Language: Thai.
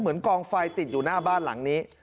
กองไฟติดอยู่หน้าบ้านหลังนี้